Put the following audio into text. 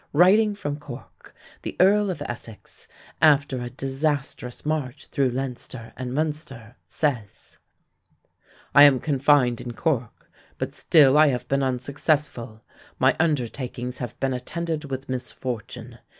Writing from Cork, the Earl of Essex, after a disastrous march through Leinster and Munster, says: "I am confined in Cork ... but still I have been unsuccessful; my undertakings have been attended with misfortune....